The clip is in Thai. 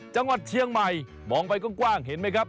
จังหวัดเชียงใหม่มองไปกว้างเห็นไหมครับ